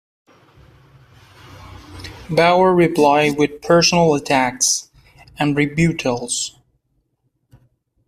Bower replied with personal attacks and rebuttals.